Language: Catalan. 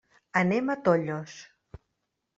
Anem a Tollos.